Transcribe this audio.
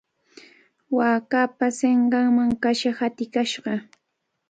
Waakapa sinqanman kasha hatikashqa.